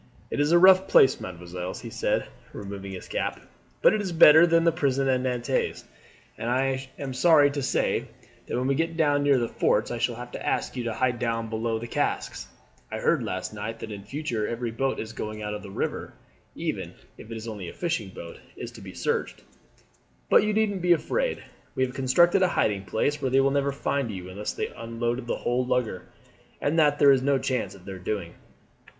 "It is a rough place, mesdemoiselles," he said, removing his cap, "but it is better than the prisons at Nantes. I am sorry to say that when we get down near the forts I shall have to ask you to hide down below the casks. I heard last night that in future every boat going out of the river, even if it is only a fishing boat, is to be searched. But you needn't be afraid; we have constructed a hiding place, where they will never find you unless they unloaded the whole lugger, and that there is no chance of their doing."